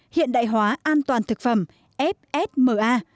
hiện đại hóa an toàn thực phẩm fsma